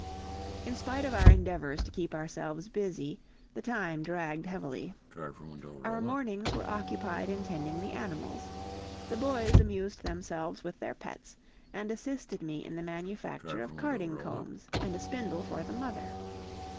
In spite of our endeavors to keep ourselves busy, the time dragged heavily. Our mornings were occupied in tending the animals; the boys amused themselves with their pets, and assisted me in the manufacture of carding combs and a spindle for the mother.